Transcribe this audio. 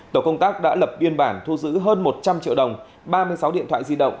tổ công tác đã lập biên bản thu giữ hơn một trăm linh triệu đồng ba mươi sáu điện thoại di động